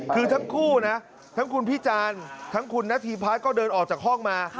คือทั้งคู่นะทั้งคุณพิจานทั้งคุณนาธิพัฒน์ก็เดินออกจากห้องมา